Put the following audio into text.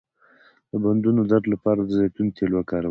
د بندونو درد لپاره د زیتون تېل وکاروئ